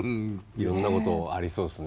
いろんなことありそうですね。